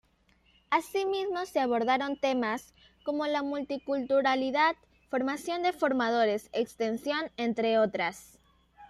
Asimismo se abordaron temas como la multiculturalidad, formación de formadores, extensión, entre otras.